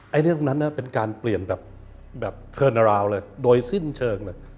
อันนี้ตรงนั้นน่ะเป็นการเปลี่ยนแบบเทอร์เนอราวด์เลยโดยสิ้นเชิงเลย